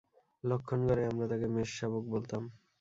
লক্ষ্মণগড়ে আমরা তাকে মেষশাবক বলতাম।